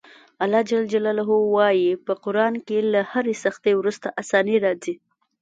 الله ج وایي په قران کې له هرې سختي وروسته اساني راځي.